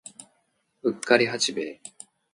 うっかり八兵衛